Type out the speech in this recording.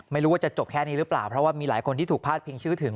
ไม่รู้ว่าจะจบแค่นี้หรือเปล่าเพราะว่ามีหลายคนที่ถูกพาดพิงชื่อถึง